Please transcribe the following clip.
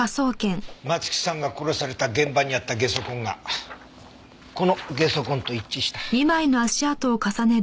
松木さんが殺された現場にあったゲソ痕がこのゲソ痕と一致した。